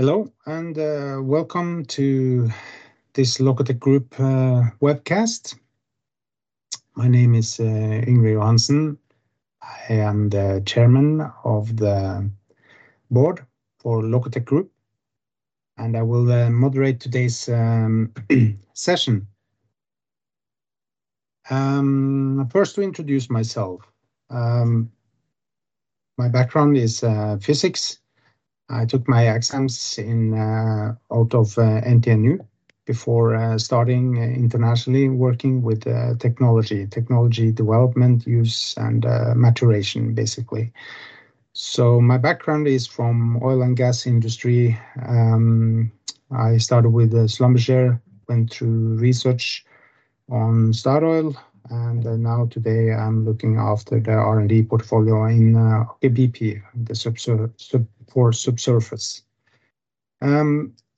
Hello, and welcome to this Lokotech Group webcast. My name is Yngve Johansen. I am the Chairman of the Board for Lokotech Group, and I will moderate today's session. First, to introduce myself, my background is physics. I took my exams out of NTNU before starting internationally, working with technology, technology development, use, and maturation, basically. My background is from the oil and gas industry. I started with Schlumberger, went through research on Statoil, and now today I'm looking after the R&D portfolio in Equinor, for subsurface.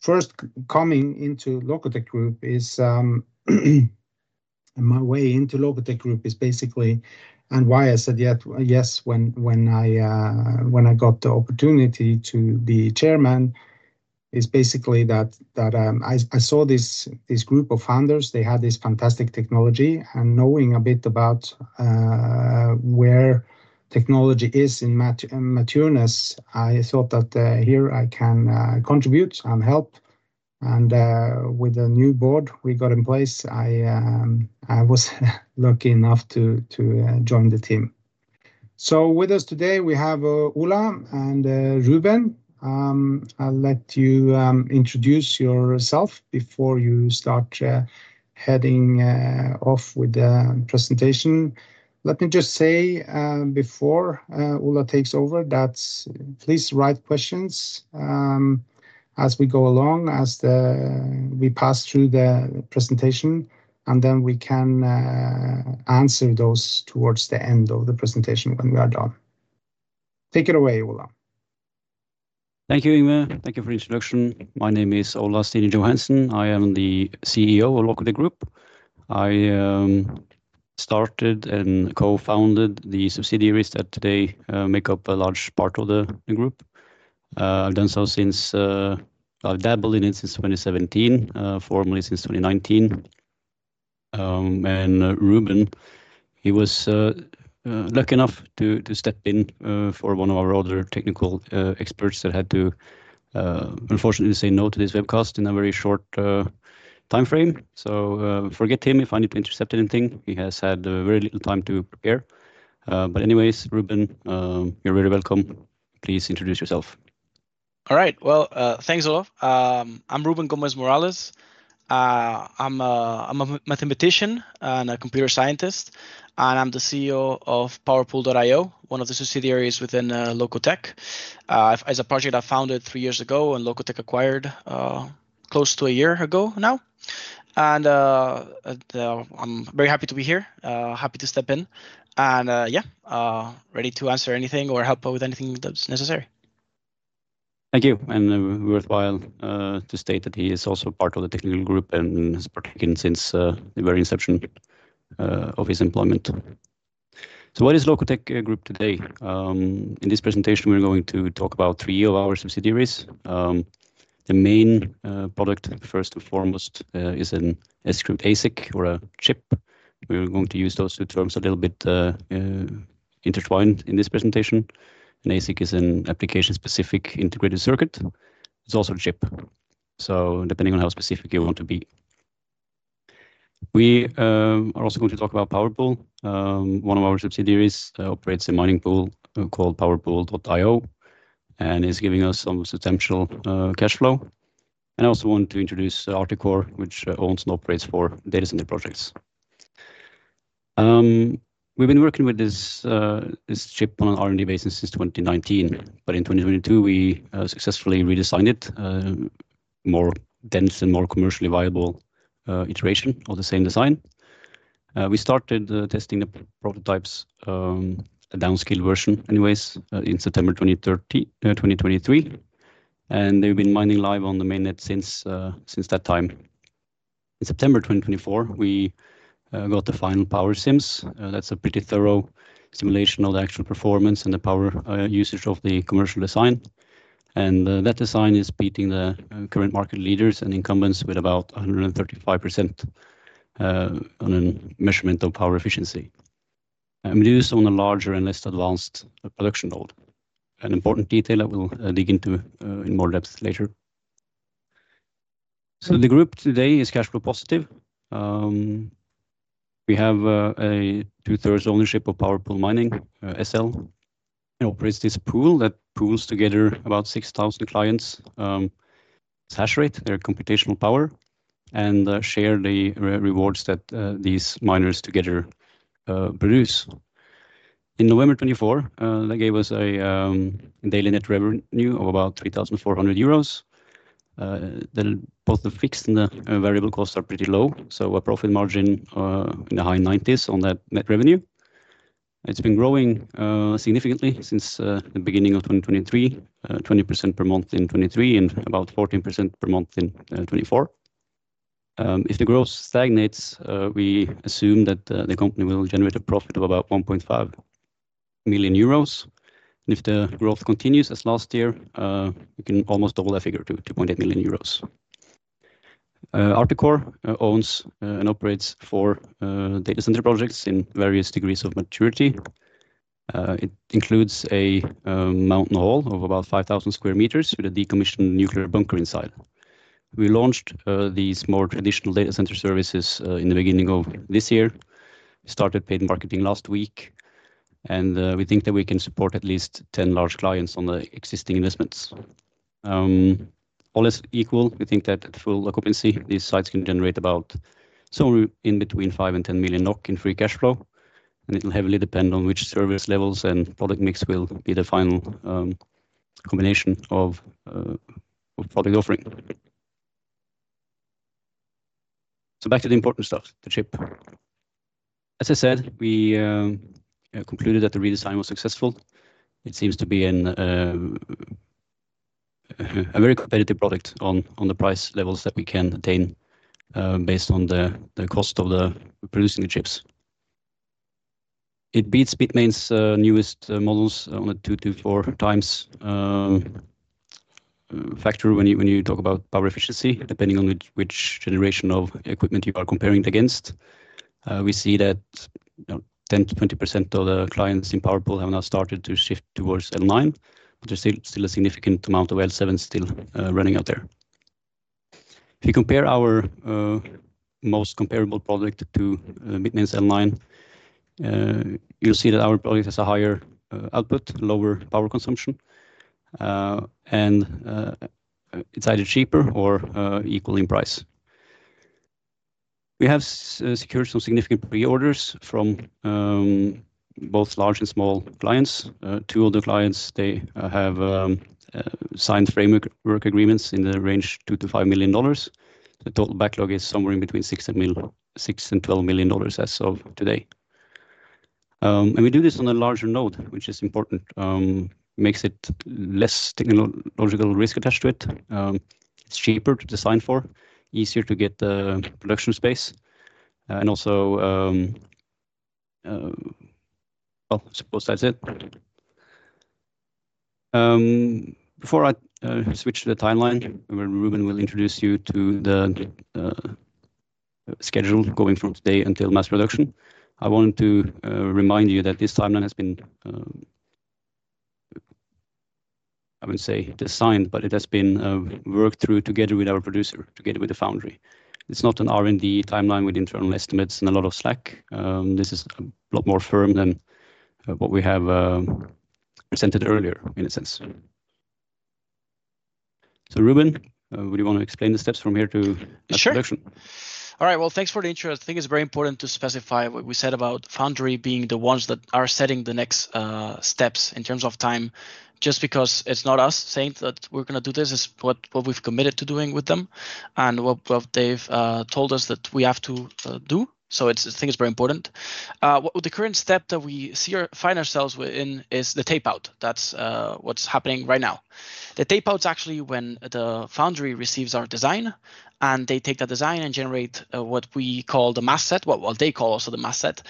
First, coming into Lokotech Group, my way into Lokotech Group is basically, and why I said yes when I got the opportunity to be Chairman, is basically that I saw this group of founders. They had this fantastic technology, and knowing a bit about where technology is in matureness, I thought that here I can contribute and help. With the new board we got in place, I was lucky enough to join the team. With us today, we have Ola and Rubén. I'll let you introduce yourself before you start heading off with the presentation. Let me just say before Ola takes over that please write questions as we go along as we pass through the presentation, and then we can answer those towards the end of the presentation when we are done. Take it away, Ola. Thank you, Yngve. Thank you for the introduction. My name is Ola Stene-Johansen. I am the CEO of Lokotech Group. I started and co-founded the subsidiaries that today make up a large part of the group. I've done so since I've dabbled in it since 2017, formally since 2019. And Rubén, he was lucky enough to step in for one of our other technical experts that had to, unfortunately, say no to this webcast in a very short time frame. Forget him if I need to intercept anything. He has had very little time to prepare. Anyways, Rubén, you're very welcome. Please introduce yourself. All right. Thanks, Ola. I'm Rubén Gómez Morales. I'm a mathematician and a computer scientist, and I'm the CEO of PowerPool.io, one of the subsidiaries within Lokotech. It's a project I founded three years ago and Lokotech acquired close to a year ago now. I'm very happy to be here, happy to step in, and yeah, ready to answer anything or help out with anything that's necessary. Thank you. Worthwhile to state that he is also part of the technical group and has partaken since the very inception of his employment. What is Lokotech Group today? In this presentation, we are going to talk about three of our subsidiaries. The main product, first and foremost, is an SQASIC or a chip. We are going to use those two terms a little bit intertwined in this presentation. An ASIC is an application-specific integrated circuit. It is also a chip, so depending on how specific you want to be. We are also going to talk about PowerPool. One of our subsidiaries operates a mining pool called PowerPool.io and is giving us some substantial cash flow. I also want to Arctic Core, which owns and operates four data center projects. We've been working with this chip on an R&D basis since 2019, but in 2022, we successfully redesigned it, a more dense and more commercially viable iteration of the same design. We started testing the prototypes, a downscaled version anyways, in September 2023, and they've been mining live on the mainnet since that time. In September 2024, we got the final power sims. That's a pretty thorough simulation of the actual performance and the power usage of the commercial design. That design is beating the current market leaders and incumbents with about 135% on a measurement of power efficiency. We do this on a larger and less advanced production node. An important detail that we'll dig into in more depth later. The group today is cash flow positive. We have a 2/3 ownership of PowerPool Mining SL. It operates this pool that pools together about 6,000 clients' hash rate, their computational power, and share the rewards that these miners together produce. In November 2024, they gave us a daily net revenue of about 3,400 euros. Both the fixed and the variable costs are pretty low, so our profit margin is in the high 90% on that net revenue. It has been growing significantly since the beginning of 2023, 20% per month in 2023 and about 14% per month in 2024. If the growth stagnates, we assume that the company will generate a profit of about 1.5 million euros. If the growth continues as last year, we can almost double that figure to EUR 2.8 Arctic Core owns and operates four data center projects in various degrees of maturity. It includes a mountain hall of about 5,000 sq m with a decommissioned nuclear bunker inside. We launched these more traditional data center services in the beginning of this year. We started paid marketing last week, and we think that we can support at least 10 large clients on the existing investments. All is equal. We think that at full occupancy, these sites can generate about somewhere in between 5 million and 10 million NOK in free cash flow, and it'll heavily depend on which service levels and product mix will be the final combination of product offering. Back to the important stuff, the chip. As I said, we concluded that the redesign was successful. It seems to be a very competitive product on the price levels that we can attain based on the cost of producing the chips. It beats Bitmain's newest models on a 2x-4x factor when you talk about power efficiency, depending on which generation of equipment you are comparing it against. We see that 10%-20% of the clients in PowerPool have now started to shift towards L9, but there's still a significant amount of L7 still running out there. If you compare our most comparable product to Bitmain's L9, you'll see that our product has a higher output, lower power consumption, and it's either cheaper or equal in price. We have secured some significant pre-orders from both large and small clients. Two of the clients, they have signed framework agreements in the range of $2 million-$5 million. The total backlog is somewhere in between $6 million and $12 million as of today. We do this on a larger node, which is important. It makes it less technological risk attached to it. It's cheaper to design for, easier to get the production space, and also, I suppose that's it. Before I switch to the timeline, Rubén will introduce you to the schedule going from today until mass production. I want to remind you that this timeline has been, I wouldn't say designed, but it has been worked through together with our producer, together with the foundry. It's not an R&D timeline with internal estimates and a lot of Slack. This is a lot more firm than what we have presented earlier, in a sense. Rubén, would you want to explain the steps from here to mass production? Sure. All right. Thanks for the intro. I think it's very important to specify what we said about foundry being the ones that are setting the next steps in terms of time. Just because it's not us saying that we're going to do this, this is what we've committed to doing with them and what they've told us that we have to do. I think it's very important. The current step that we find ourselves in is the tapeout. That's what's happening right now. The tapeout is actually when the foundry receives our design, and they take that design and generate what we call the mask set, what they call also the mask set.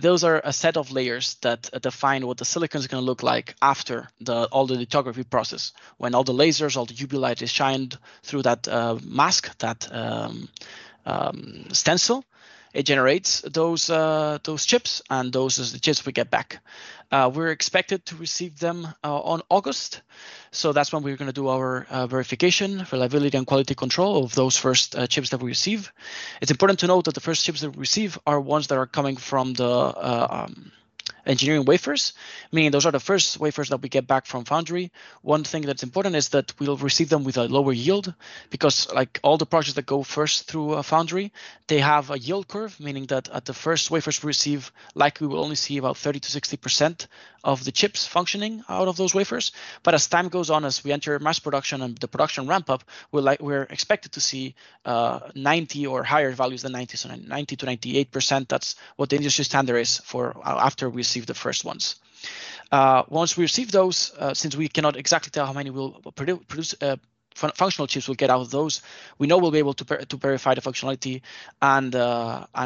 Those are a set of layers that define what the silicon is going to look like after all the lithography process. When all the lasers, all the UV light is shined through that mask, that stencil, it generates those chips, and those are the chips we get back. We're expected to receive them in August, so that's when we're going to do our verification, reliability, and quality control of those first chips that we receive. It's important to note that the first chips that we receive are ones that are coming from the engineering wafers, meaning those are the first wafers that we get back from foundry. One thing that's important is that we'll receive them with a lower yield because, like all the projects that go first through a foundry, they have a yield curve, meaning that at the first wafers we receive, likely we'll only see about 30%-60% of the chips functioning out of those wafers. As time goes on, as we enter mass production and the production ramp up, we're expected to see 90% or higher values than 90%. So 90%-98%, that's what the industry standard is for after we receive the first ones. Once we receive those, since we cannot exactly tell how many functional chips we'll get out of those, we know we'll be able to verify the functionality and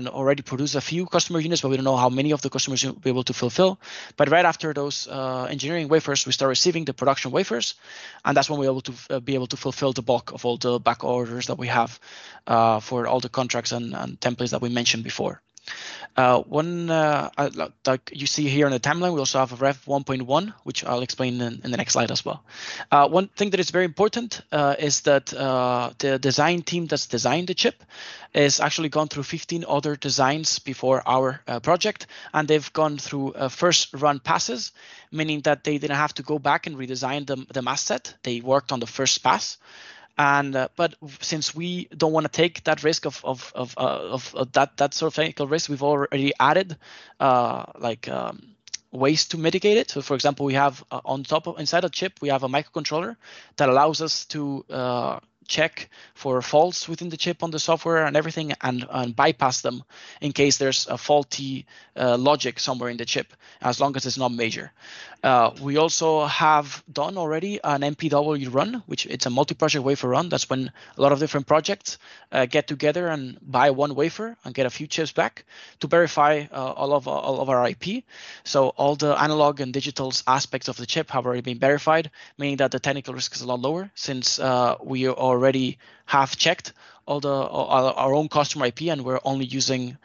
already produce a few customer units, but we don't know how many of the customers we'll be able to fulfill. Right after those engineering wafers, we start receiving the production wafers, and that's when we're able to fulfill the bulk of all the back orders that we have for all the contracts and templates that we mentioned before. One that you see here on the timeline, we also have a ref 1.1, which I'll explain in the next slide as well. One thing that is very important is that the design team that's designed the chip has actually gone through 15 other designs before our project, and they've gone through first-run passes, meaning that they didn't have to go back and redesign the mask set. They worked on the first pass. Since we don't want to take that risk of that sort of technical risk, we've already added ways to mitigate it. For example, we have on top of inside a chip, we have a microcontroller that allows us to check for faults within the chip on the software and everything and bypass them in case there's a faulty logic somewhere in the chip, as long as it's not major. We also have done already an MPW run, which is a multi-project wafer run. That is when a lot of different projects get together and buy one wafer and get a few chips back to verify all of our IP. All the analog and digital aspects of the chip have already been verified, meaning that the technical risk is a lot lower since we already have checked our own customer IP and we are only using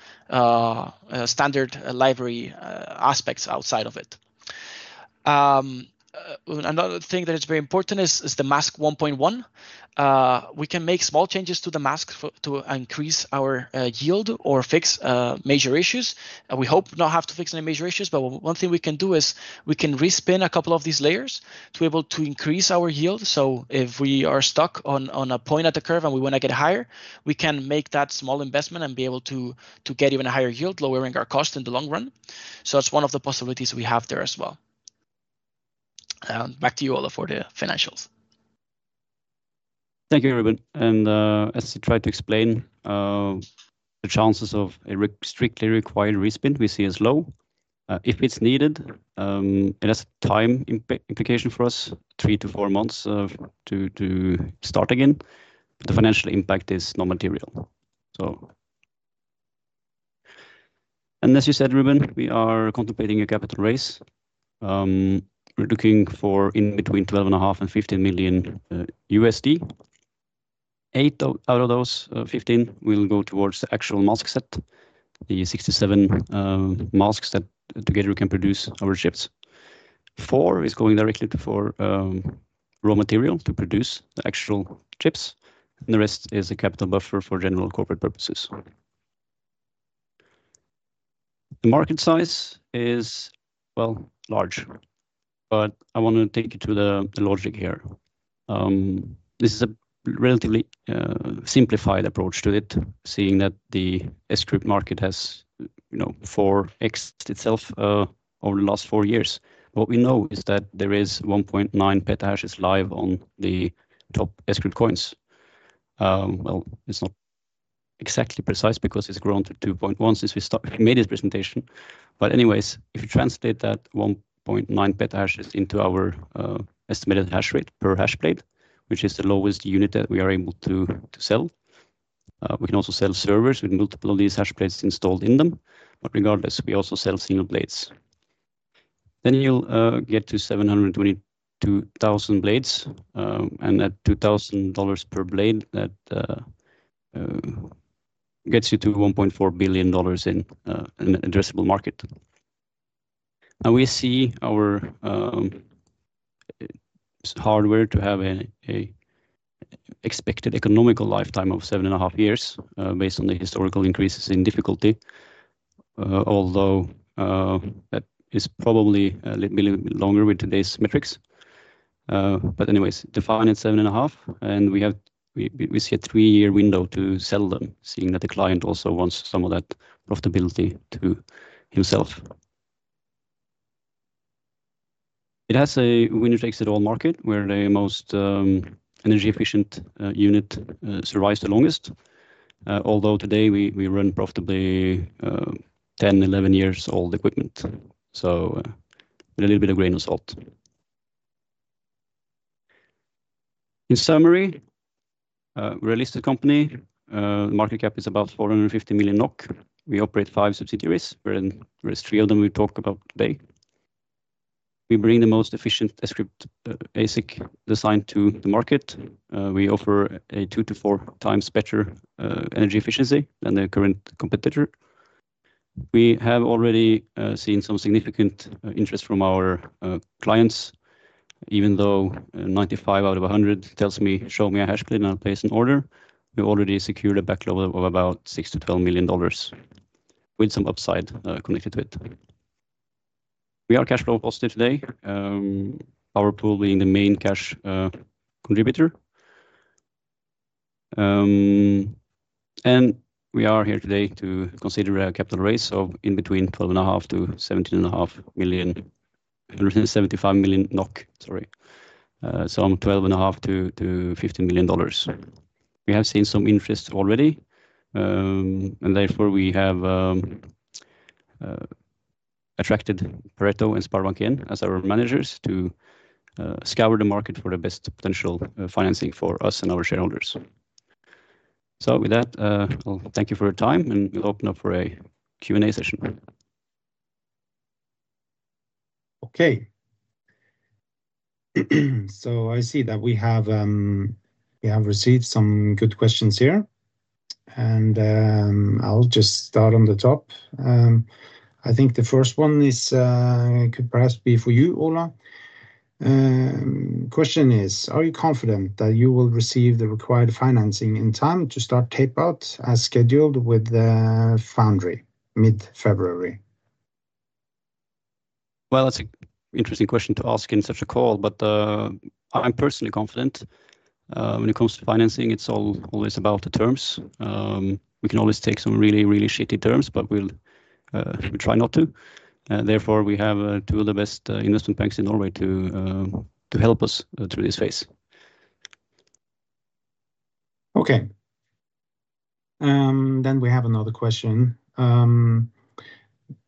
standard library aspects outside of it. Another thing that is very important is the mask 1.1. We can make small changes to the mask to increase our yield or fix major issues. We hope not to have to fix any major issues, but one thing we can do is we can respin a couple of these layers to be able to increase our yield. If we are stuck on a point at the curve and we want to get higher, we can make that small investment and be able to get even a higher yield, lowering our cost in the long run. That is one of the possibilities we have there as well. Back to you, Ola, for the financials. Thank you, Rubén. As I tried to explain, the chances of a strictly required respin we see is low. If it is needed, it has a time implication for us, three to four months to start again. The financial impact is non-material. As you said, Rubén, we are contemplating a capital raise. We are looking for between $12.5 million and $15 million. Eight out of those 15 will go towards the actual mask set, the 67 masks that together we can produce our chips. Four is going directly for raw material to produce the actual chips, and the rest is a capital buffer for general corporate purposes. The market size is, well, large. I want to take you to the logic here. This is a relatively simplified approach to it, seeing that the SQAPE market has 4x itself over the last four years. What we know is that there is 1.9 petahashes live on the top SQAPE coins. It is not exactly precise because it has grown to 2.1 since we made this presentation. Anyways, if you translate that 1.9 petahashes into our estimated hash rate per hash plate, which is the lowest unit that we are able to sell, we can also sell servers with multiple of these hash plates installed in them. Regardless, we also sell single blades. You will get to 722,000 blades, and at $2,000 per blade, that gets you to $1.4 billion in an addressable market. We see our hardware to have an expected economical lifetime of seven and a half years based on the historical increases in difficulty, although that is probably a little bit longer with today's metrics. Anyways, defined at seven and a half, and we see a three-year window to sell them, seeing that the client also wants some of that profitability to himself. It has a winner takes it all market where the most energy-efficient unit survives the longest, although today we run profitably 10-11 years old equipment. So a little bit of grain of salt. In summary, we're a listed company. The market cap is about 450 million NOK. We operate five subsidiaries. There are three of them we talk about today. We bring the most efficient SQAPE ASIC design to the market. We offer a 2x-4x better energy efficiency than the current competitor. We have already seen some significant interest from our clients. Even though 95 out of 100 tells me, "Show me a hash plate and I'll place an order," we already secured a backlog of about $6 million-$12 million with some upside connected to it. We are cash flow positive today, our pool being the main cash contributor. We are here today to consider a capital raise of between 125 million-175 million NOK, sorry. I mean $12.5 million-$15 million. We have seen some interest already, and therefore we have attracted Pareto and SpareBank 1 as our managers to scour the market for the best potential financing for us and our shareholders. With that, I'll thank you for your time, and we'll open up for a Q&A session. Okay. I see that we have received some good questions here, and I'll just start on the top. I think the first one could perhaps be for you, Ola. The question is, "Are you confident that you will receive the required financing in time to start tapeout as scheduled with the foundry mid-February? That's an interesting question to ask in such a call, but I'm personally confident. When it comes to financing, it's all always about the terms. We can always take some really, really shitty terms, but we'll try not to. Therefore, we have two of the best investment banks in Norway to help us through this phase. Okay. We have another question.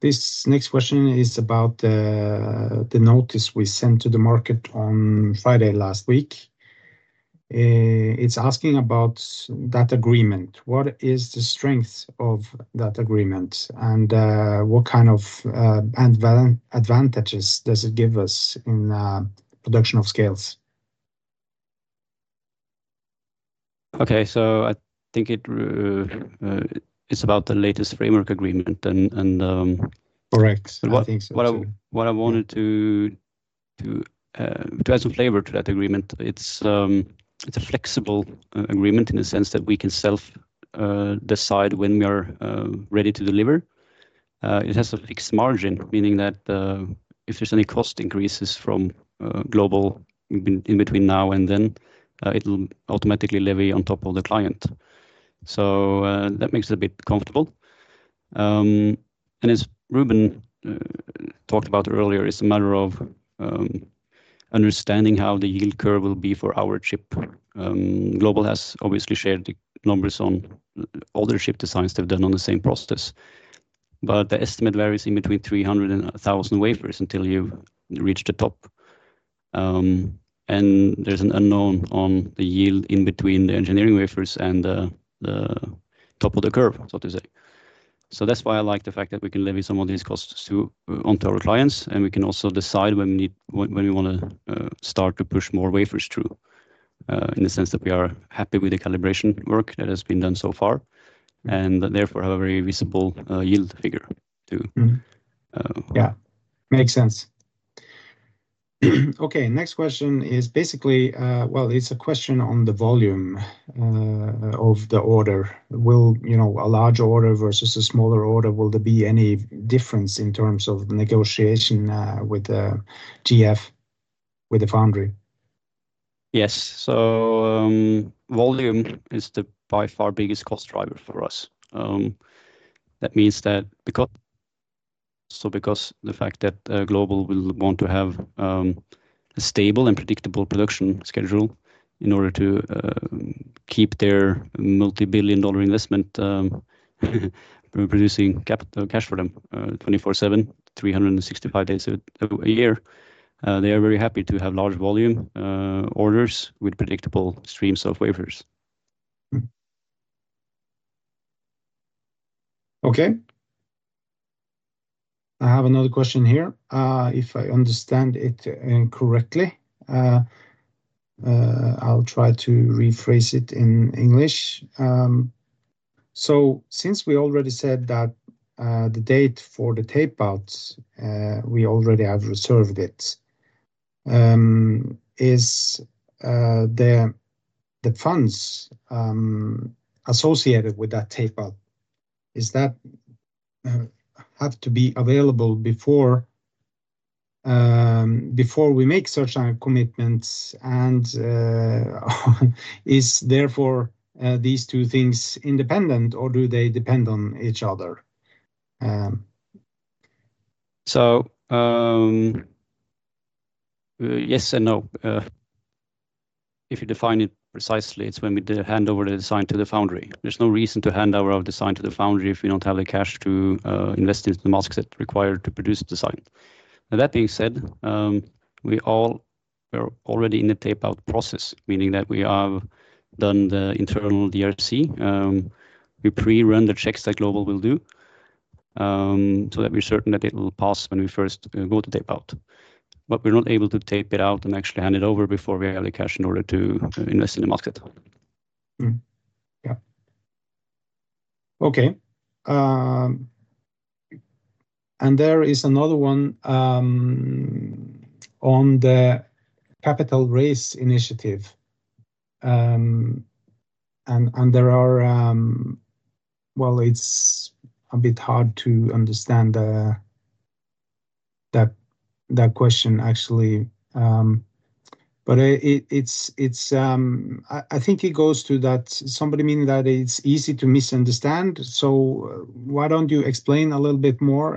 This next question is about the notice we sent to the market on Friday last week. It's asking about that agreement. What is the strength of that agreement, and what kind of advantages does it give us in production of scales? Okay. I think it's about the latest framework agreement. Correct. What I wanted to add some flavor to that agreement, it's a flexible agreement in the sense that we can self-decide when we are ready to deliver. It has a fixed margin, meaning that if there's any cost increases from GlobalFoundries in between now and then, it'll automatically levy on top of the client. That makes it a bit comfortable. As Rubén talked about earlier, it's a matter of understanding how the yield curve will be for our GlobalFoundries has obviously shared the numbers on other chip designs they've done on the same process. The estimate varies between 300 and 1,000 wafers until you reach the top. There's an unknown on the yield in between the engineering wafers and the top of the curve, so to say. That is why I like the fact that we can levy some of these costs onto our clients, and we can also decide when we want to start to push more wafers through in the sense that we are happy with the calibration work that has been done so far and therefore have a very visible yield figure too. Yeah. Makes sense. Okay. Next question is basically, well, it's a question on the volume of the order. A large order versus a smaller order, will there be any difference in terms of the negotiation with the GF, with the foundry? Yes. Volume is the by far biggest cost driver for us. That means that because the fact GlobalFoundries will want to have a stable and predictable production schedule in order to keep their multi-billion dollar investment producing cash for them 24/7, 365 days a year, they are very happy to have large volume orders with predictable streams of wafers. Okay. I have another question here. If I understand it correctly, I'll try to rephrase it in English. Since we already said that the date for the tapeout, we already have reserved it, is the funds associated with that tapeout, does that have to be available before we make such a commitment? Are these two things independent, or do they depend on each other? Yes and no. If you define it precisely, it's when we hand over the design to the foundry. There's no reason to hand over our design to the foundry if we don't have the cash to invest in the masks that are required to produce the design. That being said, we are already in the tapeout process, meaning that we have done the internal DRC. We pre-run the checks GlobalFoundries will do so that we're certain that it will pass when we first go to tapeout. We're not able to tape it out and actually hand it over before we have the cash in order to invest in the market. Yeah. Okay. There is another one on the capital raise initiative. There are, well, it's a bit hard to understand that question, actually. I think it goes to that somebody means that it's easy to misunderstand. Why don't you explain a little bit more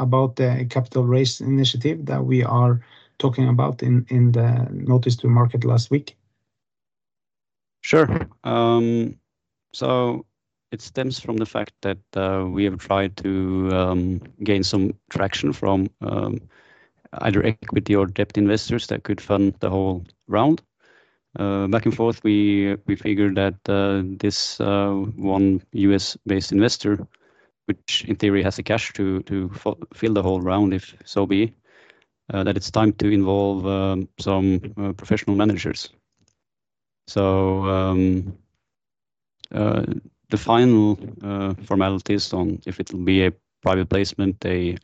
about the capital raise initiative that we are talking about in the notice to the market last week? Sure. It stems from the fact that we have tried to gain some traction from either equity or debt investors that could fund the whole round. Back and forth, we figured that this one US-based investor, which in theory has the cash to fill the whole round, if so be, that it is time to involve some professional managers. The final formalities on if it will be a private placement, a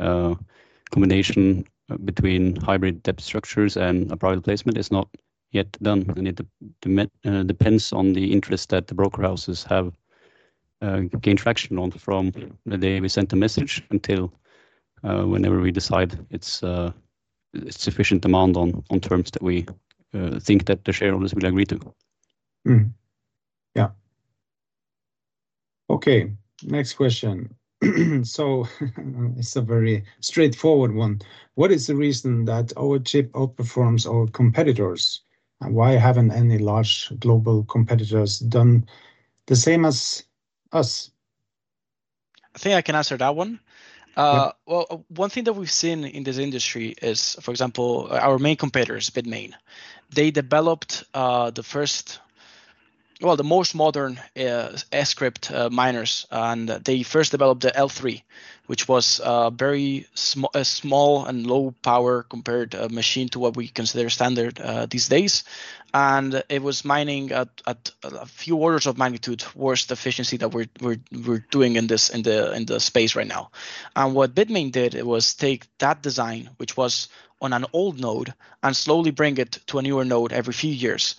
combination between hybrid debt structures and a private placement, is not yet done. It depends on the interest that the broker houses have gained traction on from the day we sent the message until whenever we decide it is sufficient demand on terms that we think that the shareholders will agree to. Yeah. Okay. Next question. It is a very straightforward one. What is the reason that our chip outperforms our competitors? Why haven't any large global competitors done the same as us? I think I can answer that one. One thing that we've seen in this industry is, for example, our main competitors, Bitmain. They developed the first, the most modern SQAPE miners. They first developed the L3, which was a very small and low-power compared machine to what we consider standard these days. It was mining at a few orders of magnitude worse efficiency than we're doing in the space right now. What Bitmain did was take that design, which was on an old node, and slowly bring it to a newer node every few years.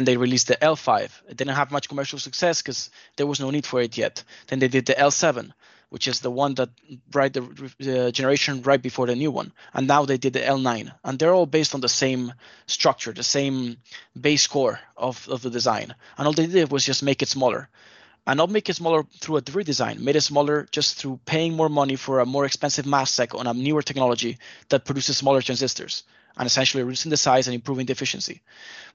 They released the L5. It did not have much commercial success because there was no need for it yet. They did the L7, which is the one that brought the generation right before the new one. Now they did the L9. They're all based on the same structure, the same base core of the design. All they did was just make it smaller, and not make it smaller through a redesign. They made it smaller just through paying more money for a more expensive mask on a newer technology that produces smaller transistors and essentially reducing the size and improving the efficiency.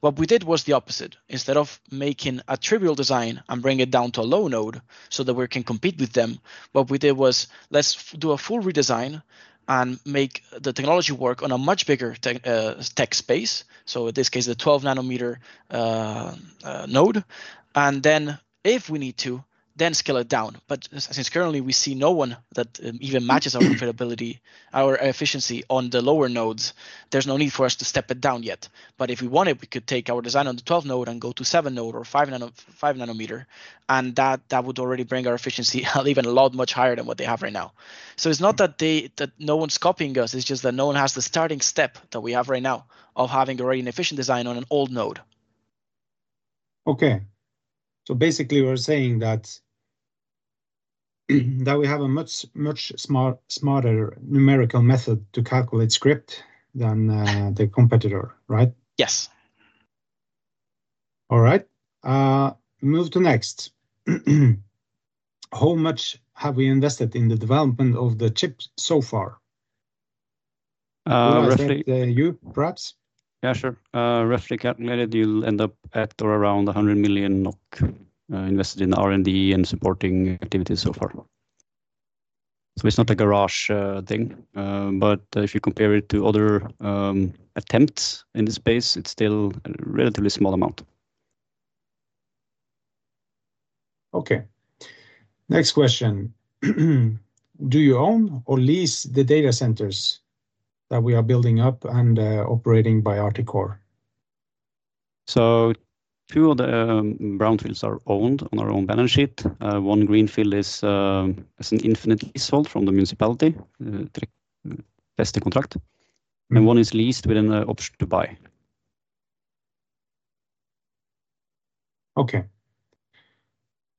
What we did was the opposite. Instead of making a trivial design and bringing it down to a low node so that we can compete with them, what we did was let's do a full redesign and make the technology work on a much bigger tech space. In this case, the 12-nm node. If we need to, then scale it down. Currently we see no one that even matches our efficiency on the lower nodes, there's no need for us to step it down yet. If we wanted, we could take our design on the 12-nm node and go to 7-nm or 5-nm. That would already bring our efficiency up even a lot much higher than what they have right now. It is not that no one's copying us. It is just that no one has the starting step that we have right now of having already an efficient design on an old node. Okay. So basically, we're saying that we have a much smarter numerical method to calculate SQAPE than the competitor, right? Yes. All right. Move to next. How much have we invested in the development of the chip so far? Roughly. You, perhaps? Yeah, sure. Roughly calculated, you'll end up at or around 100 million NOK invested in R&D and supporting activities so far. It's not a garage thing. If you compare it to other attempts in this space, it's still a relatively small amount. Okay. Next question. Do you own or lease the data centers that we are building up and operating by Arctic Core? Two of the brownfields are owned on our own balance sheet. One greenfield is an infinite leasehold from the municipality, a test contract. One is leased with an option to buy. Okay.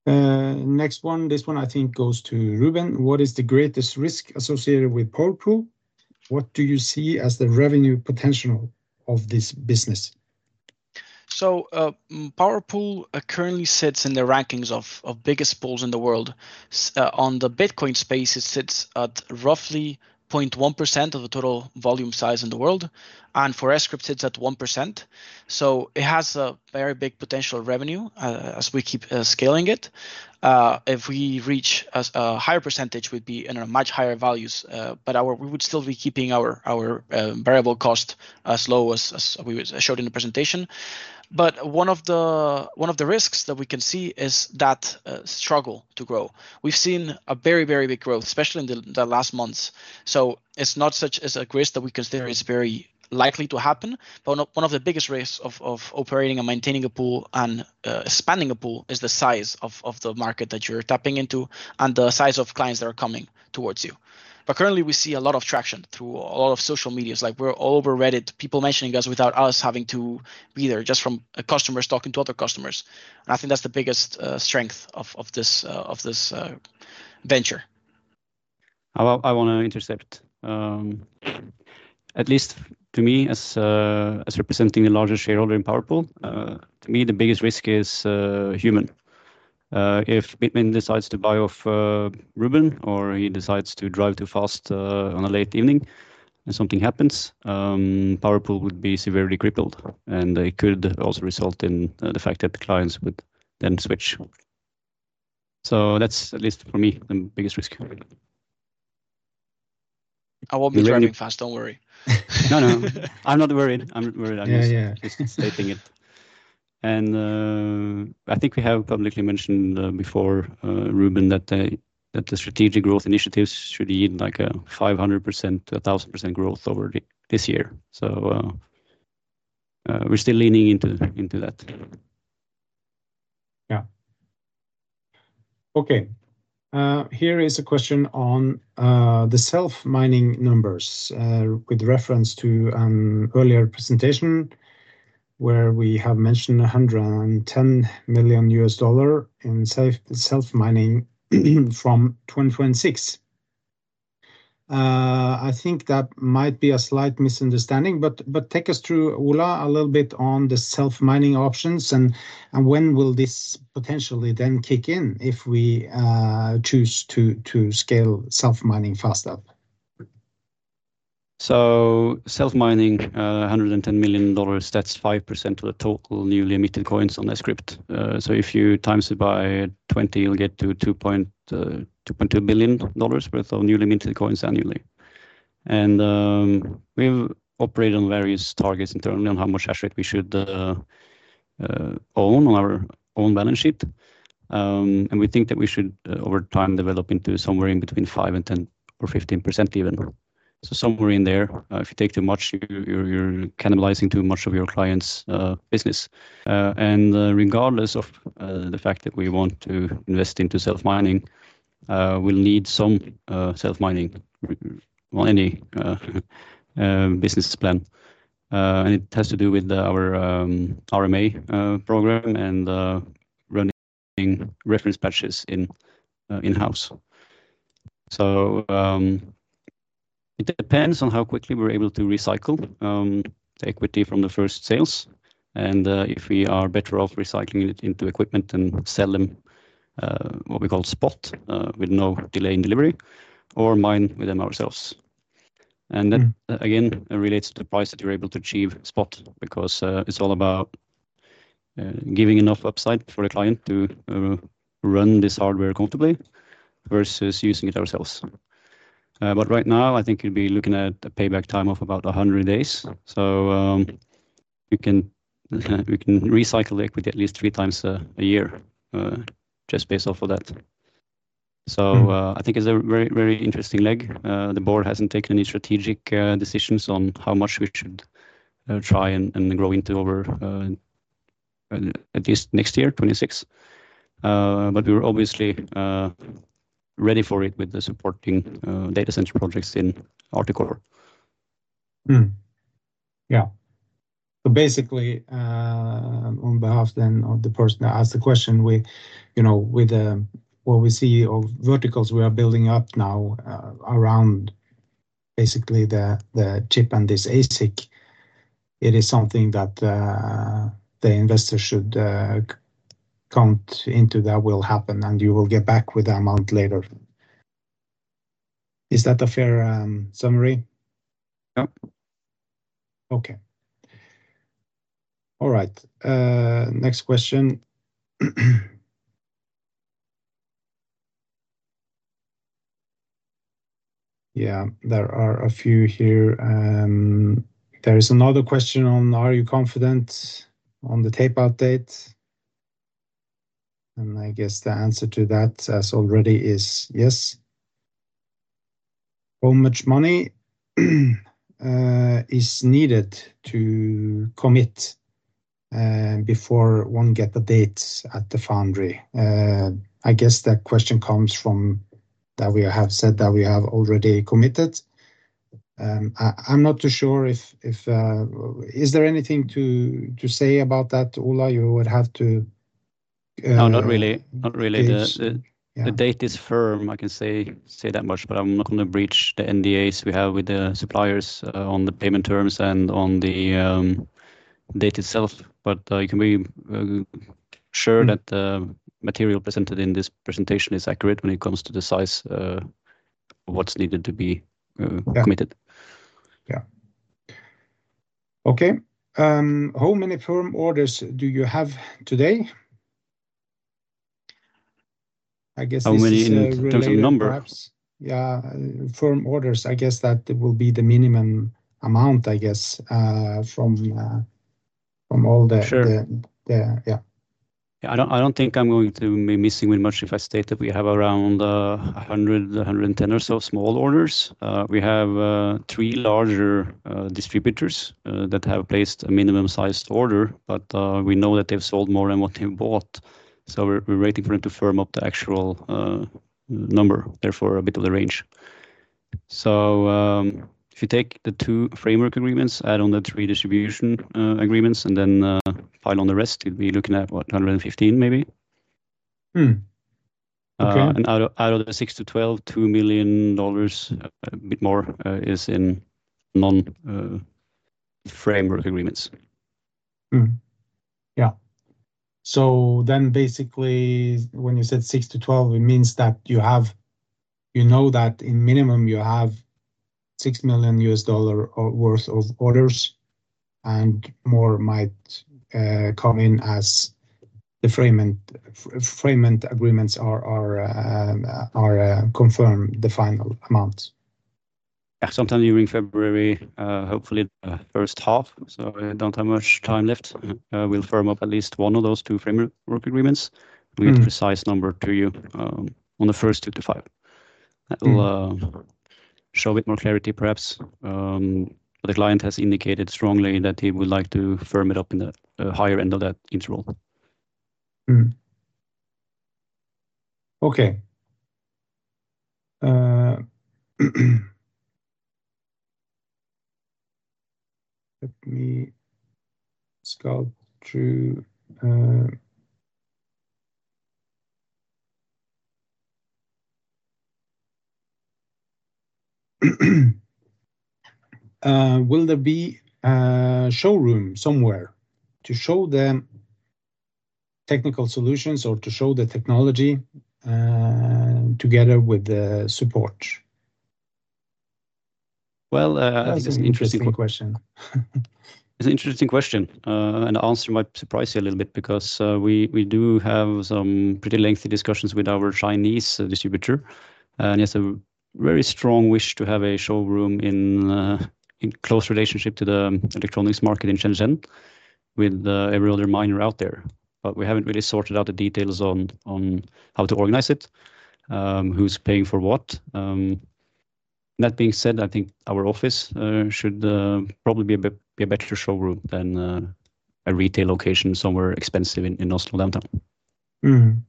Next one. This one, I think, goes to Rubén. What is the greatest risk associated with PowerPool? What do you see as the revenue potential of this business? PowerPool currently sits in the rankings of biggest pools in the world. In the Bitcoin space, it sits at roughly 0.1% of the total volume size in the world. For SQAPE, it sits at 1%. It has a very big potential revenue as we keep scaling it. If we reach a higher percentage, we would be in a much higher value. We would still be keeping our variable cost as low as we showed in the presentation. One of the risks that we can see is that struggle to grow. We have seen a very, very big growth, especially in the last months. It is not such a risk that we consider is very likely to happen. One of the biggest risks of operating and maintaining a pool and expanding a pool is the size of the market that you're tapping into and the size of clients that are coming towards you. Currently, we see a lot of traction through a lot of social media. We're all over Reddit, people mentioning us without us having to be there, just from customers talking to other customers. I think that's the biggest strength of this venture. I want to intercept. At least to me, as representing the largest shareholder in PowerPool, to me, the biggest risk is human. If Bitmain decides to buy off Rubén or he decides to drive too fast on a late evening and something happens, PowerPool would be severely crippled. It could also result in the fact that the clients would then switch. That is, at least for me, the biggest risk. I won't be worried. Don't worry.No, no. I'm not worried. I'm not worried. I'm just stating it. I think we have publicly mentioned before, Rubén, that the strategic growth initiatives should lead to a 500%-1,000% growth over this year. We're still leaning into that. Yeah. Okay. Here is a question on the self-mining numbers with reference to an earlier presentation where we have mentioned $110 million in self-mining from 2026. I think that might be a slight misunderstanding. Take us through, Ola, a little bit on the self-mining options. When will this potentially then kick in if we choose to scale self-mining faster? Self-mining, $110 million, that's 5% of the total newly emitted coins on the SQAPE. If you times it by 20, you'll get to $2.2 billion worth of newly minted coins annually. We operate on various targets internally on how much asset we should own on our own balance sheet. We think that we should, over time, develop into somewhere in between 5% and 10% or 15% even, so somewhere in there. If you take too much, you're cannibalizing too much of your client's business. Regardless of the fact that we want to invest into self-mining, we'll need some self-mining on any business plan. It has to do with our RMA program and running reference batches in-house. It depends on how quickly we're able to recycle the equity from the first sales. If we are better off recycling it into equipment and sell them what we call spot with no delay in delivery or mine with them ourselves, that again relates to the price that you're able to achieve spot because it's all about giving enough upside for a client to run this hardware comfortably versus using it ourselves. Right now, I think you'd be looking at a payback time of about 100 days. We can recycle the equity at least three times a year just based off of that. I think it's a very, very interesting leg. The board hasn't taken any strategic decisions on how much we should try and grow into over at least next year, 2026. We're obviously ready for it with the supporting data center projects in Arctic Core. Yeah. So basically, on behalf then of the person that asked the question, with what we see of verticals we are building up now around basically the chip and this ASIC, it is something that the investor should count into that will happen and you will get back with the amount later. Is that a fair summary? Yep. Okay. All right. Next question. Yeah. There are a few here. There is another question on, are you confident on the tapeout date? I guess the answer to that as already is yes. How much money is needed to commit before one gets a date at the foundry? I guess that question comes from that we have said that we have already committed. I'm not too sure if is there anything to say about that, Ola? You would have to. No, not really. Not really. The date is firm. I can say that much. I am not going to breach the NDAs we have with the suppliers on the payment terms and on the date itself. You can be sure that the material presented in this presentation is accurate when it comes to the size of what is needed to be committed. Yeah. Okay. How many firm orders do you have today? I guess it's in terms of numbers. How many in terms of numbers? Yeah. Firm orders, I guess that will be the minimum amount, I guess, from all the. Sure. Yeah. Yeah. I don't think I'm going to be missing with much if I state that we have around 100-110 or so small orders. We have three larger distributors that have placed a minimum-sized order. We know that they've sold more than what they've bought. We are waiting for them to firm up the actual number, therefore a bit of the range. If you take the two framework agreements, add on the three distribution agreements, and then file on the rest, you'd be looking at what, 115 maybe? Okay. Out of the $6 million-$12 million, $2 million, a bit more is in non-framework agreements. Yeah. So then basically, when you said $6 million-$12 million it means that you know that in minimum, you have $6 million worth of orders. And more might come in as the framement agreements confirm the final amount. Yeah. Sometime during February, hopefully the first half. I do not have much time left. We will firm up at least one of those two framework agreements. We will get a precise number to you on the first two to five. That will show a bit more clarity, perhaps. The client has indicated strongly that he would like to firm it up in the higher end of that interval. Okay. Let me scroll through. Will there be a showroom somewhere to show them technical solutions or to show the technology together with the support? That's an interesting question. It's an interesting question. The answer might surprise you a little bit because we do have some pretty lengthy discussions with our Chinese distributor. He has a very strong wish to have a showroom in close relationship to the electronics market in Shenzhen with every other miner out there. We haven't really sorted out the details on how to organize it, who's paying for what. That being said, I think our office should probably be a better showroom than a retail location somewhere expensive in Oslo downtown.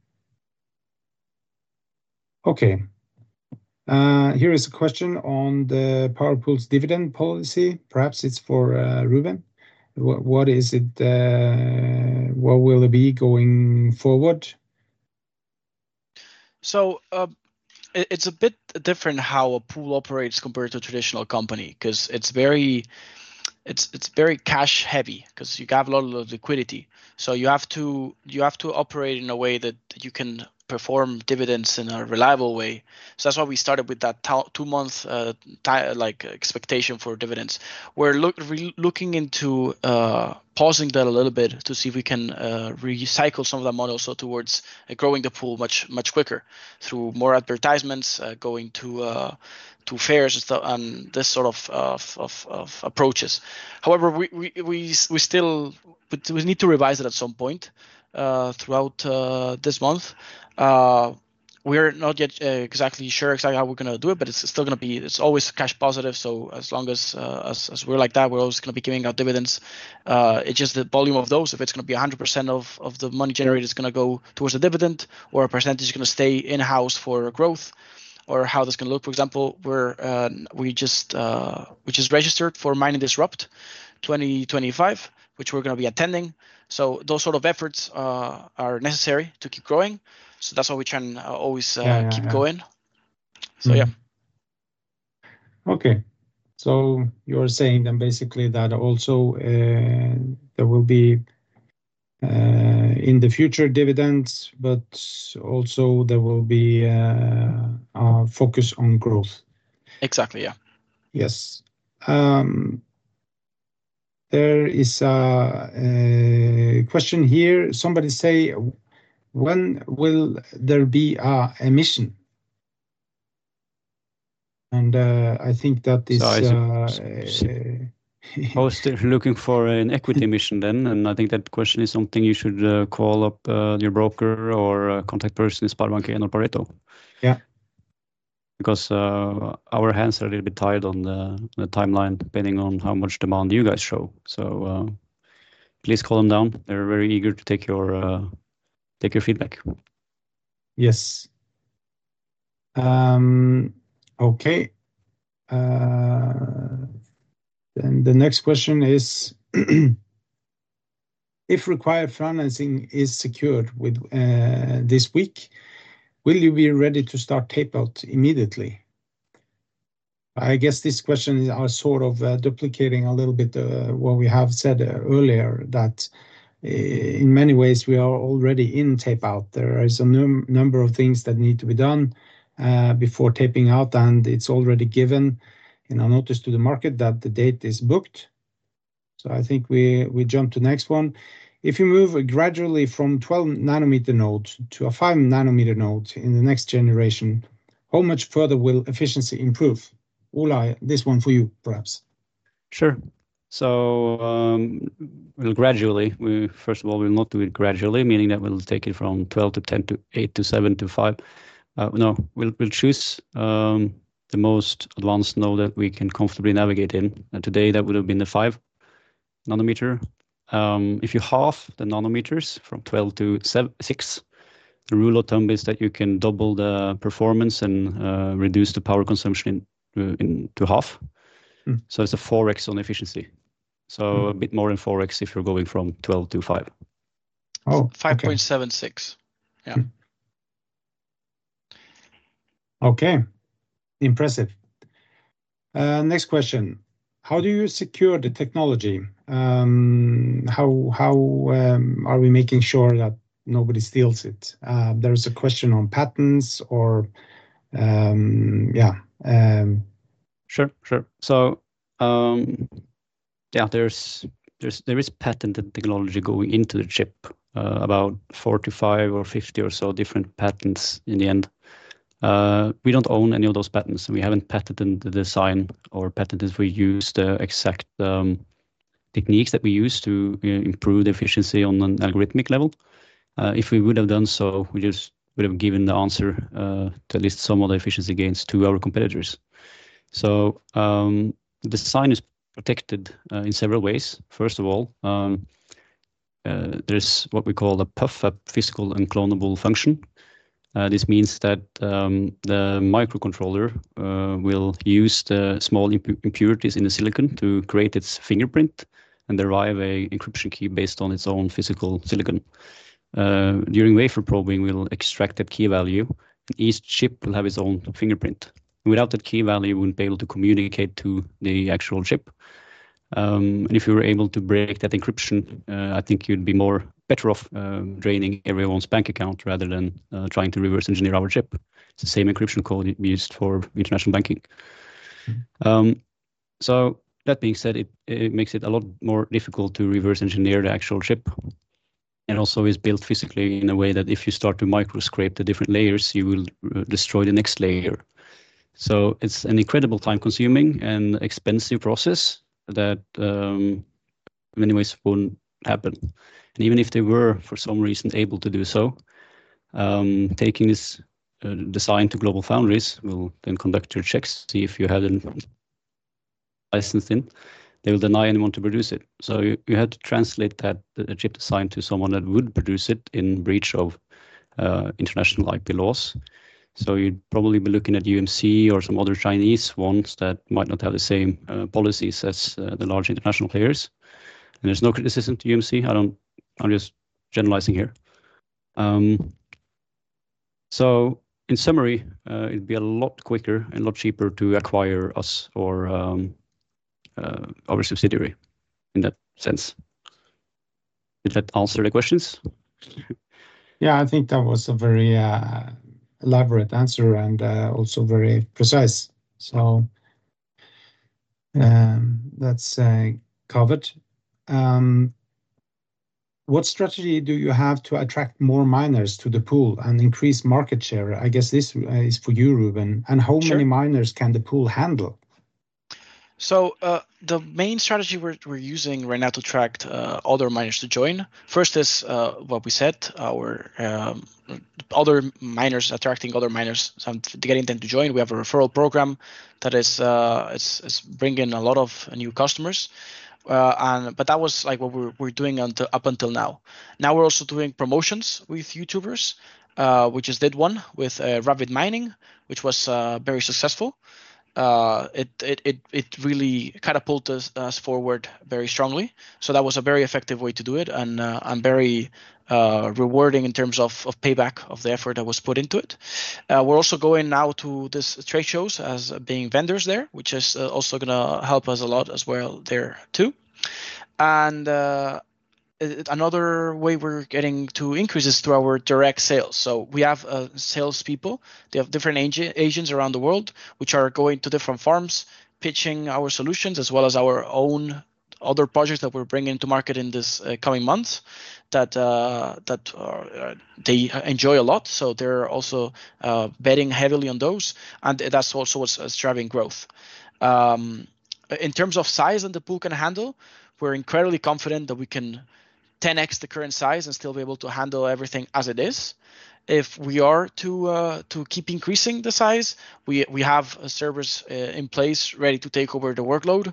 Okay. Here is a question on the PowerPool's dividend policy. Perhaps it's for Rubén. What is it? What will it be going forward? It is a bit different how a pool operates compared to a traditional company because it is very cash-heavy because you have a lot of liquidity. You have to operate in a way that you can perform dividends in a reliable way. That is why we started with that two-month expectation for dividends. We are looking into pausing that a little bit to see if we can recycle some of that model towards growing the pool much quicker through more advertisements, going to fairs and this sort of approaches. However, we still need to revise it at some point throughout this month. We are not yet exactly sure exactly how we are going to do it, but it is still going to be, it is always cash positive. As long as we are like that, we are always going to be giving out dividends. It is just the volume of those. If it's going to be 100% of the money generated, it's going to go towards a dividend, or a percentage is going to stay in-house for growth, or how this can look. For example, we just registered for Mining Disrupt 2025, which we're going to be attending. Those sort of efforts are necessary to keep growing. That's why we can always keep going. Yeah. Okay. So you're saying then basically that also there will be in the future dividends, but also there will be a focus on growth. Exactly. Yeah. Yes. There is a question here. Somebody say, when will there be an emission? I think that is. I was looking for an equity emission then. I think that question is something you should call up your broker or contact person, SpareBank 1 and Pareto. Yeah. Because our hands are a little bit tied on the timeline depending on how much demand you guys show. Please call them down. They're very eager to take your feedback. Yes. Okay. The next question is, if required financing is secured this week, will you be ready to start tapeout immediately? I guess this question is sort of duplicating a little bit what we have said earlier that in many ways, we are already in tapeout. There are a number of things that need to be done before taping out. It is already given in a notice to the market that the date is booked. I think we jump to the next one. If you move gradually from 12 nm node to a 5 nm node in the next generation, how much further will efficiency improve? Ola, this one for you, perhaps. Sure. Gradually. First of all, we'll not do it gradually, meaning that we'll take it from 12 nm-10 nm-8 nm-7 nm-5 nm. No, we'll choose the most advanced node that we can comfortably navigate in. Today, that would have been the 5 nm. If you halve the nanometers from 12 nm-6 nm, the rule of thumb is that you can double the performance and reduce the power consumption to half. It is a 4x on efficiency. A bit more than 4x if you're going from 12nm-5 nm. Oh. 5.76 nm. Yeah. Okay. Impressive. Next question. How do you secure the technology? How are we making sure that nobody steals it? There is a question on patents or yeah. Sure. Sure. So yeah, there is patented technology going into the chip, about 45 or 50 or so different patents in the end. We do not own any of those patents. We have not patented the design or patented for use the exact techniques that we use to improve efficiency on an algorithmic level. If we would have done so, we just would have given the answer to at least some of the efficiency gains to our competitors. The design is protected in several ways. First of all, there is what we call a PUF, a physical unclonable function. This means that the microcontroller will use the small impurities in the silicon to create its fingerprint and derive an encryption key based on its own physical silicon. During wafer probing, we will extract that key value. Each chip will have its own fingerprint. Without that key value, we wouldn't be able to communicate to the actual chip. If you were able to break that encryption, I think you'd be better off draining everyone's bank account rather than trying to reverse engineer our chip. It's the same encryption code used for international banking. That being said, it makes it a lot more difficult to reverse engineer the actual chip. Also, it's built physically in a way that if you start to microscrape the different layers, you will destroy the next layer. It's an incredible time-consuming and expensive process that in many ways wouldn't happen. Even if they were, for some reason, able to do so, taking this design to GlobalFoundries will then conduct your checks, see if you had a license in. They will deny anyone to produce it. You had to translate that chip design to someone that would produce it in breach of international IP laws. You'd probably be looking at UMC or some other Chinese ones that might not have the same policies as the large international players. There's no criticism to UMC. I'm just generalizing here. In summary, it'd be a lot quicker and a lot cheaper to acquire us or our subsidiary in that sense. Did that answer the questions? Yeah. I think that was a very elaborate answer and also very precise. That is covered. What strategy do you have to attract more miners to the pool and increase market share? I guess this is for you, Rubén. How many miners can the pool handle? The main strategy we're using right now to attract other miners to join, first is what we said, other miners attracting other miners to get them to join. We have a referral program that is bringing a lot of new customers. That was what we're doing up until now. Now we're also doing promotions with YouTubers, which is did one with Rabbit Mining, which was very successful. It really catapulted us forward very strongly. That was a very effective way to do it and very rewarding in terms of payback of the effort that was put into it. We're also going now to these trade shows as being vendors there, which is also going to help us a lot as well there too. Another way we're getting to increase is through our direct sales. We have salespeople. They have different agents around the world, which are going to different farms, pitching our solutions as well as our own other projects that we're bringing to market in this coming months that they enjoy a lot. They are also betting heavily on those. That is also what's driving growth. In terms of size that the pool can handle, we're incredibly confident that we can 10x the current size and still be able to handle everything as it is. If we are to keep increasing the size, we have servers in place ready to take over the workload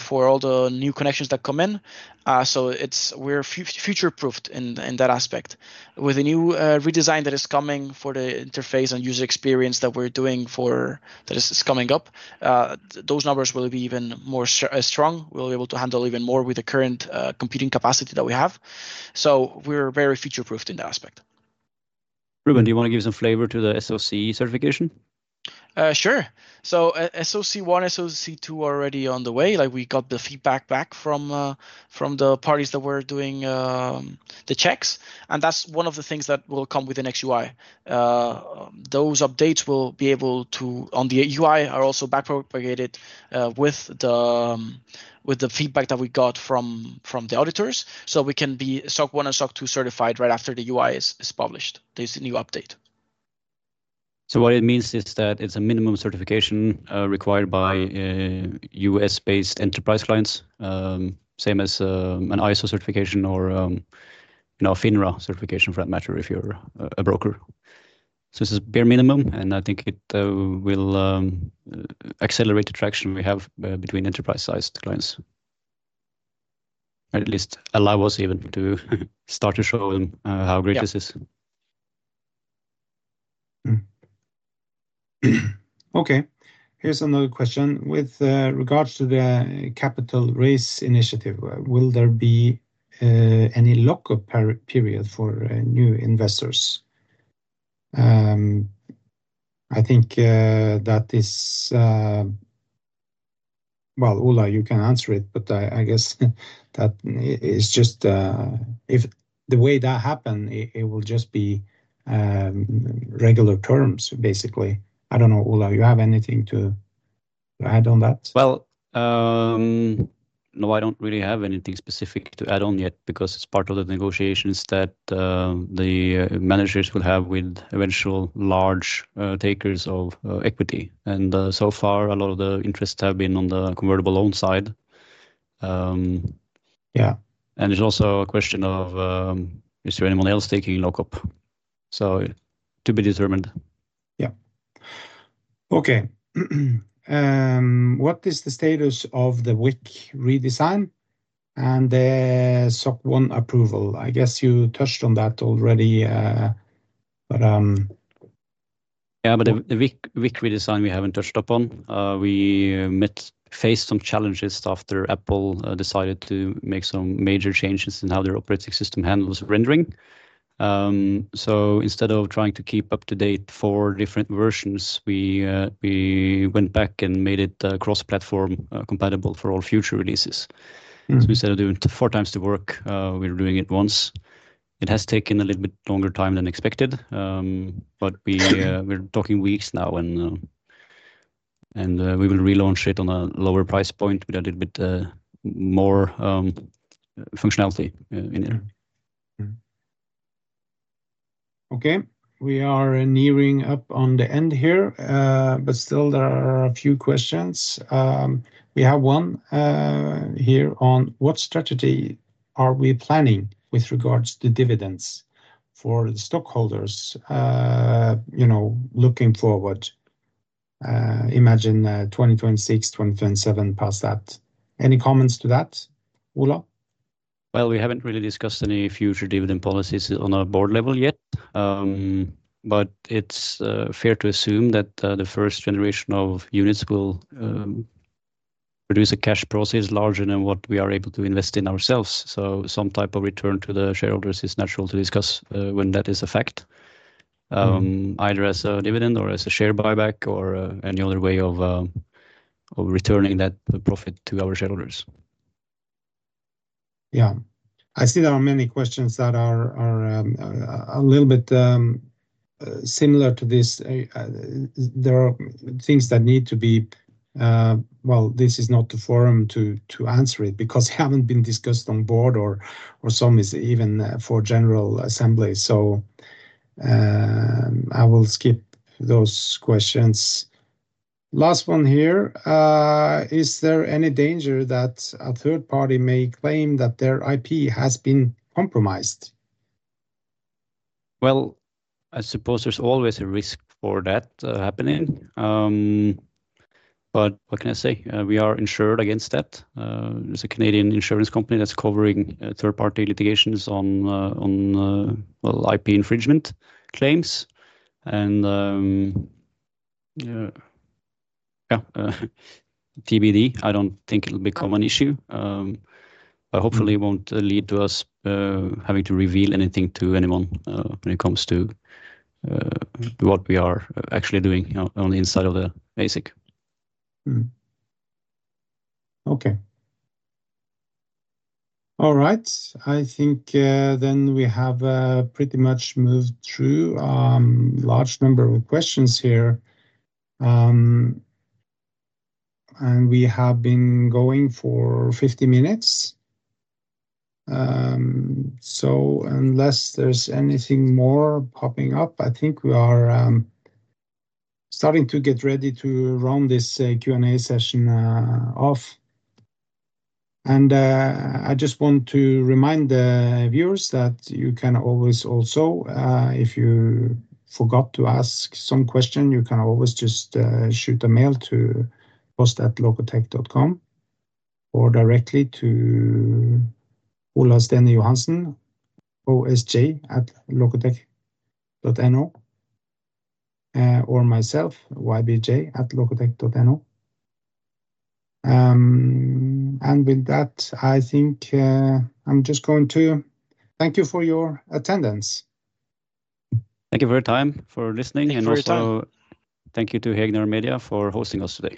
for all the new connections that come in. We are future-proofed in that aspect. With the new redesign that is coming for the interface and user experience that we're doing for that is coming up, those numbers will be even more strong. We'll be able to handle even more with the current computing capacity that we have. We are very future-proofed in that aspect. Rubén, do you want to give some flavor to the SOC certification? Sure. SOC 1, SOC 2 are already on the way. We got the feedback back from the parties that were doing the checks. That is one of the things that will come with the next UI. Those updates will be able to on the UI are also backpropagated with the feedback that we got from the auditors. We can be SOC 1 and SOC 2 certified right after the UI is published, this new update. What it means is that it's a minimum certification required by US-based enterprise clients, same as an ISO certification or a FINRA certification for that matter if you're a broker. This is bare minimum. I think it will accelerate the traction we have between enterprise-sized clients, at least allow us even to start to show them how great this is. Okay. Here's another question. With regards to the capital raise initiative, will there be any lockup period for new investors? I think that is, Ola, you can answer it, but I guess that is just the way that happens, it will just be regular terms, basically. I don't know, Ola, you have anything to add on that? I don't really have anything specific to add on yet because it's part of the negotiations that the managers will have with eventual large takers of equity. So far, a lot of the interests have been on the convertible loan side. Yeah. It is also a question of, is there anyone else taking lockup? To be determined. Yeah. Okay. What is the status of the WIC redesign and the SOC 1 approval? I guess you touched on that already, but. Yeah, but the WIC redesign, we haven't touched upon. We faced some challenges after Apple decided to make some major changes in how their operating system handles rendering. Instead of trying to keep up to date four different versions, we went back and made it cross-platform compatible for all future releases. Instead of doing 4x the work, we're doing it once. It has taken a little bit longer time than expected, but we're talking weeks now. We will relaunch it on a lower price point with a little bit more functionality in it. Okay. We are nearing up on the end here, but still there are a few questions. We have one here on what strategy are we planning with regards to dividends for the stockholders looking forward? Imagine 2026, 2027 past that. Any comments to that, Ola? We have not really discussed any future dividend policies on a board level yet. It is fair to assume that the first generation of units will produce a cash process larger than what we are able to invest in ourselves. Some type of return to the shareholders is natural to discuss when that is a fact, either as a dividend or as a share buyback or any other way of returning that profit to our shareholders. Yeah. I see there are many questions that are a little bit similar to this. There are things that need to be, this is not the forum to answer it because they haven't been discussed on board or some is even for general assembly. I will skip those questions. Last one here, is there any danger that a third party may claim that their IP has been compromised? I suppose there's always a risk for that happening. What can I say? We are insured against that. There's a Canadian insurance company that's covering third-party litigations on IP infringement claims. Yeah, TBD, I don't think it'll become an issue. Hopefully, it won't lead to us having to reveal anything to anyone when it comes to what we are actually doing on the inside of the ASIC. Okay. All right. I think then we have pretty much moved through a large number of questions here. We have been going for 50 minutes. Unless there's anything more popping up, I think we are starting to get ready to round this Q&A session off. I just want to remind the viewers that you can always also, if you forgot to ask some question, you can always just shoot a mail to host@lokotech.com or directly to Ola Stene-Johansen, osj@lokotech.no or myself, ybj@lokotech.no. With that, I think I'm just going to thank you for your attendance. Thank you for your time, for listening, and also. Thank you very much. Thank you to Hegnar Media for hosting us today.